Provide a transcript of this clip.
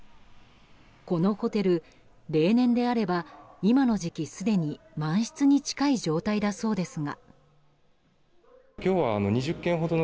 このホテル、例年であれば今の時期すでに満室に近い状態だそうですが。